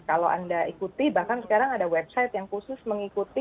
kalau anda ikuti bahkan sekarang ada website yang khusus mengikuti